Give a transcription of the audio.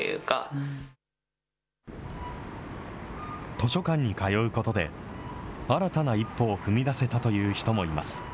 図書館に通うことで、新たな一歩を踏み出せたという人もいます。